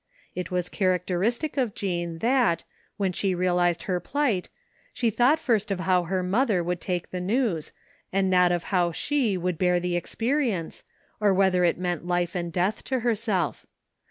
It was character istic of Jean that, when she realized her plight, she thought first of how her mother would take the news, 28 THE FINDING OP JASPER HOLT and not of how she would bear the experience, or whether it meant life and death to herself.